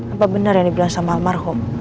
apa benar yang dibilang sama almarhum